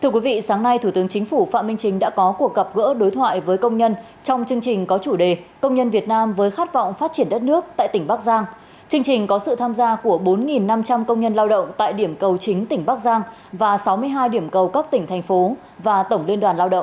các bạn hãy đăng ký kênh để ủng hộ kênh của chúng mình nhé